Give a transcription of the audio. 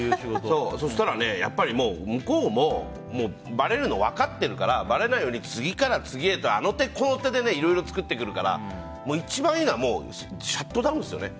そうしたら向こうもばれるの分かってるからばれないように次から次へとあの手この手でいろいろ作ってくるから一番いいのはシャットダウンですよね。